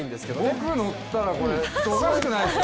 僕、乗ったらおかしくないですか？